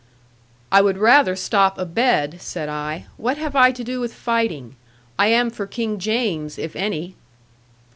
'I would rather stop a bed,' said I; 'what have I to do with fighting? I am for King James, if any.'